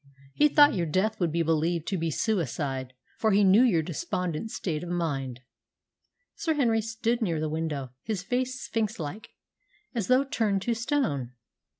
He thought your death would be believed to be suicide, for he knew your despondent state of mind." Sir Henry stood near the window, his face sphinx like, as though turned to stone.